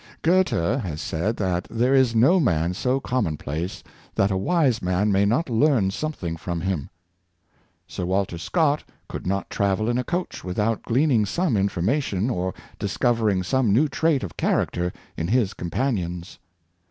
Goethe has said that there is no man so common place that a wise man may not learn something from him. Sir Walter Scott could not travel in a coach without gleaning some information or discovering some new trait of character in his companions.